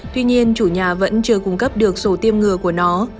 tuy nhiên chủ nhà vẫn chưa cung cấp được sổ tiêm ngừa của nó